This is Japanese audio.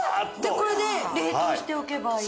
これで冷凍しておけばいい？